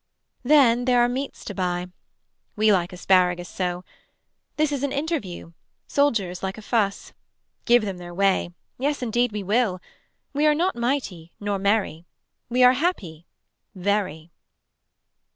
Then there are meats to buy. We like asparagus so. This is an interview. Soldiers like a fuss. Give them their way. Yes indeed we will. We are not mighty Nor merry. We are happy. Very.